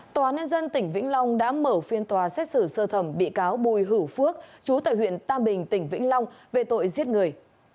tòa án nhân dân tỉnh vĩnh long đã mở phiên tòa xét xử sơ thẩm bị cáo bùi hữu phước chú tại huyện tam bình tỉnh vĩnh long về tội giết người